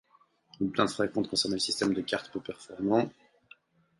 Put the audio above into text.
Une plainte fréquente concernait le système de carte peu performant.